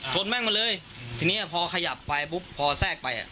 แม่งมาเลยทีนี้พอขยับไปปุ๊บพอแทรกไปอ่ะ